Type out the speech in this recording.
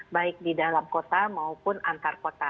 baik di dalam kota maupun antar kota